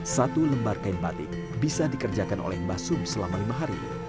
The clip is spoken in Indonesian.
satu lembar kain batik bisa dikerjakan oleh mbah sum selama lima hari